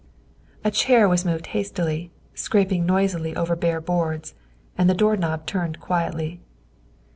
A chair was moved hastily, scraping noisily over the bare boards, and the doorknob turned quietly.